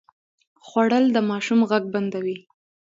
خوړل د ماشوم غږ بندوي